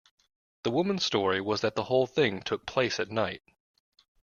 The woman's story was that the whole thing took place at night